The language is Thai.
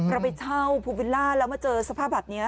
เราไปเช่าภูวิลล่าแล้วมาเจอสภาพแบบนี้